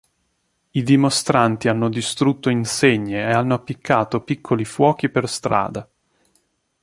I dimostranti hanno distrutto insegne e hanno appiccato piccoli fuochi per strada.